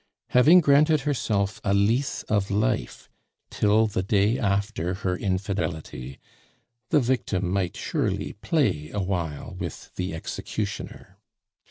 Having granted herself a lease of life till the day after her infidelity, the victim might surely play awhile with the executioner.